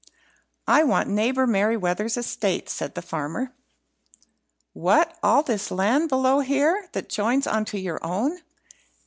"I want neighbour Merryweather's estate," said the farmer. "What, all this land below here, that joins on to your own?"